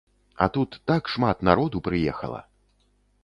А тут так шмат народу прыехала.